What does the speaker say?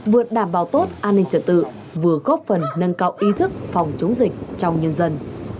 vừa đảm bảo tốt an ninh trật tự vừa góp phần nâng cao ý thức phòng chống dịch trong nhân dân